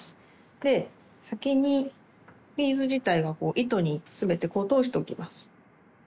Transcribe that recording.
で先にビーズ自体は糸に全て通しておきます。